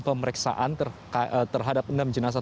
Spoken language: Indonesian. pemeriksaan terhadap enam jenazah